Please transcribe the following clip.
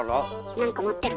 なんか持ってる。